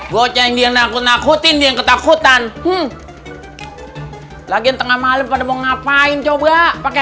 bocah yang dia nakut nakutin dia yang ketakutan lagi yang tengah malam pada mau ngapain coba pakai